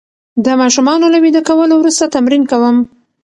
د ماشومانو له ویده کولو وروسته تمرین کوم.